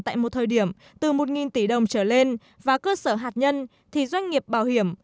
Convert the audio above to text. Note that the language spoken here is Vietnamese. tại một thời điểm từ một tỷ đồng trở lên và cơ sở hạt nhân thì doanh nghiệp bảo hiểm